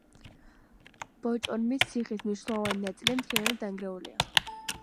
ბოჭორმის ციხის მნიშვნელოვანი ნაწილი მთლიანად დანგრეულია.